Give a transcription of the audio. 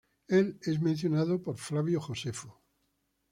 Él es mencionado por Flavio Josefo.